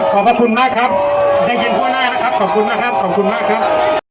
ขอบคุณนะครับขอบคุณมากครับ